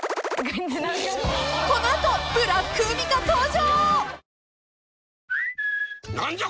［この後ブラック海荷登場］